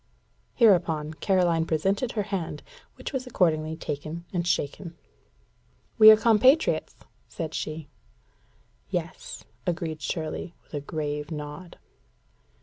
Hereupon Caroline presented her hand, which was accordingly taken and shaken. "We are compatriots," said she. "Yes," agreed Shirley, with a grave nod.